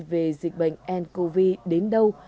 về dịch bệnh ncov đến đâu